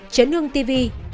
trấn hương tv